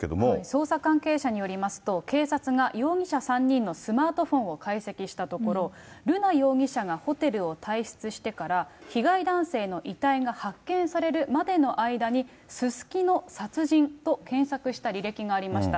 捜査関係者によりますと、警察が容疑者３人のスマートフォンを解析したところ、瑠奈容疑者がホテルを退室してから、被害男性の遺体が発見されるまでの間に、すすきの、殺人と検索した履歴がありました。